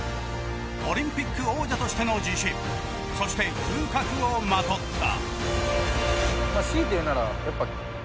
オリンピック王者としての自信そして風格をまとった。